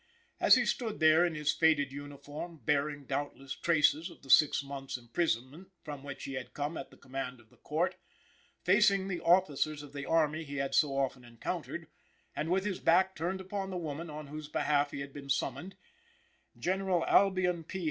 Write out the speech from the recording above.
As he stood there, in his faded uniform, bearing, doubtless, traces of the six months' imprisonment from which he had come at the command of the Court, facing the officers of the Army he had so often encountered, and with his back turned upon the woman on whose behalf he had been summoned; General Albion P.